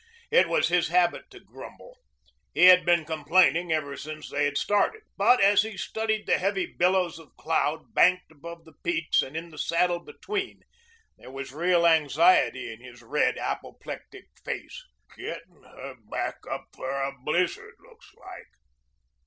It was his habit to grumble. He had been complaining ever since they had started. But as he studied the heavy billows of cloud banked above the peaks and in the saddle between, there was real anxiety in his red, apoplectic face. "Gittin' her back up for a blizzard, looks like.